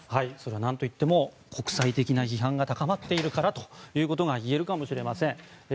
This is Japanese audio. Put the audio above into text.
何といっても国際的な批判が高まっているからといえるかもしれません。